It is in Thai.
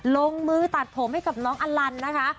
ลงมือตัดผมให้กับน้องอลันนะคะ